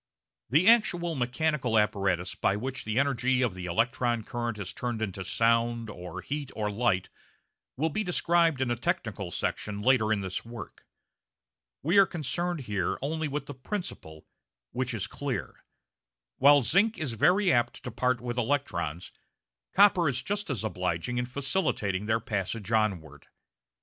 The actual mechanical apparatus by which the energy of the electron current is turned into sound, or heat, or light will be described in a technical section later in this work. We are concerned here only with the principle, which is clear. While zinc is very apt to part with electrons, copper is just as obliging in facilitating their passage onward.